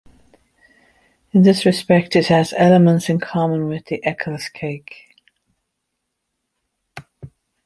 In this respect, it has elements in common with the Eccles cake.